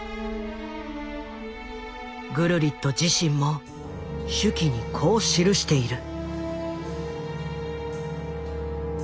グルリット自身も手記にこう記している。